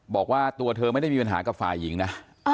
บอกว่าตัวเธอไม่ได้มีปัญหากับฝ่ายหญิงนะ